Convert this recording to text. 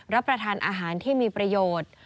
รับประทานอาหารที่มีประโยชน์